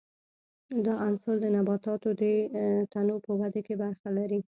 دا عنصر د نباتاتو د تنو په ودې کې برخه لري.